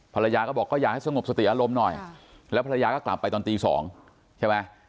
ภรรยาก็บอกก็อยากให้สงบสติอารมณ์หน่อยแล้วภรรยาก็กลับไปตอนตี๒ใช่ไหม